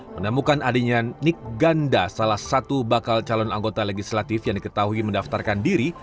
menemukan adiknya nik ganda salah satu bakal calon anggota legislatif yang diketahui mendaftarkan diri